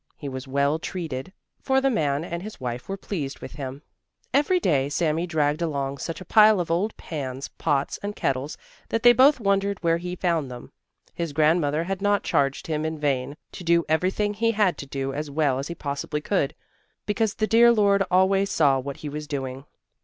He was well treated, for the man and his wife were pleased with him. Every day Sami dragged along such a pile of old pans, pots and kettles, that they both wondered where he found them. His grandmother had not charged him in vain to do everything he had to do as well as he possibly could, because the dear Lord always saw what he was doing.